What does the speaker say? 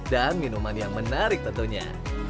dan minuman yang menarik tentunya